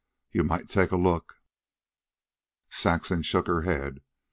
You might take a look." Saxon shook her head.